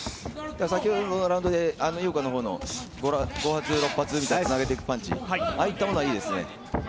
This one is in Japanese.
先ほどのラウンドで井岡の５発、６発とつなげていくパンチ、ああいったものはいいですね。